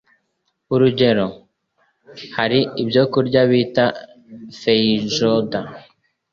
Urugero, hari ibyokurya bita feijoada